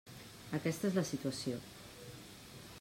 Aquesta és la situació.